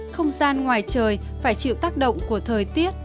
không gian ngoài trời phải chịu tác động của thời tiết